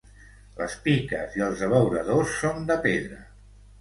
Les piques i els abeuradors són de pedra.